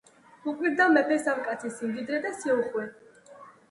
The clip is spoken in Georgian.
უკვირდა მეფეს ამ კაცის სიმდიდრე და სიუხვე.